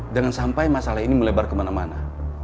jangan sampai masalah ini melebar kemana mana